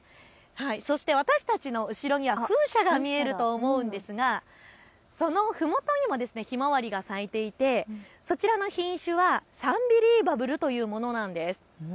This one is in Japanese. そして私たちの後ろには風車が見えると思うんですがそのふもとにもひまわりが咲いていてそちらの品種はサンビリーバブルというものなんです。